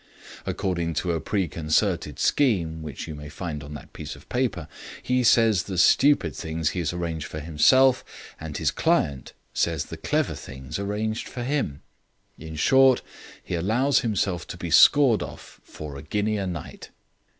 According to a preconcerted scheme (which you may find on that piece of paper), he says the stupid things he has arranged for himself, and his client says the clever things arranged for him. In short, he allows himself to be scored off for a guinea a night."